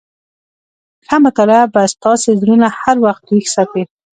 ښه مطالعه به ستاسي زړونه هر وخت ويښ ساتي.